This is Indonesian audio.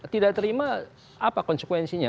tidak terima apa konsekuensinya